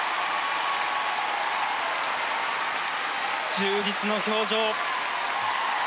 充実の表情。